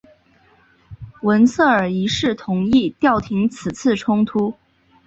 文策尔一世同意调停此次冲突。